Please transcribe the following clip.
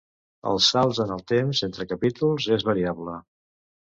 Els salts en el temps entre capítols és variable.